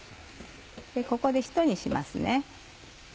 ここでひと煮しますね。